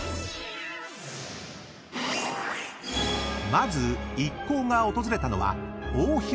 ［まず一行が訪れたのは］